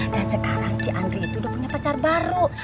dan sekarang si andries sudah punya pacar baru